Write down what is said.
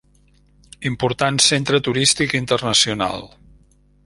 Important centre turístic internacional.